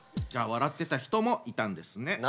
じゃあ笑ってた人もいたんですね。